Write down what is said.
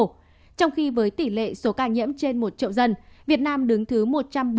trong khi với tỷ lệ số ca nhiễm trên một triệu dân việt nam đứng thứ một trăm bốn mươi